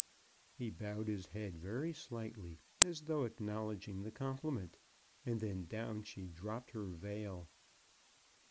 He bowed his head very slightly, as though ac knowledging the compliment, and then down she dropped her veil.